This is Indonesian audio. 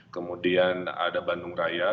kemudian ada bandung raya